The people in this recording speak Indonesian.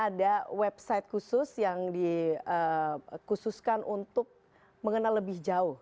ada website khusus yang dikhususkan untuk mengenal lebih jauh